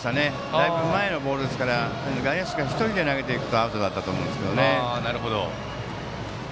レフト前のボールですから外野手が１人で投げていればアウトだったと思いますけどね。